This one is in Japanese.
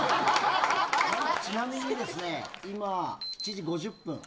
ちなみにですね、今、７時５０分。